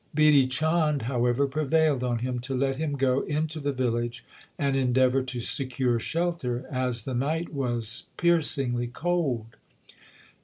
Bidhi Chand, however, prevailed on him to let him go into the village and endeavour to secure shelter, as the night was piercingly cold.